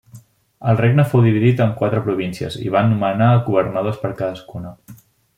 El regne fou dividit en quatre províncies i va nomenar governadors per cadascuna.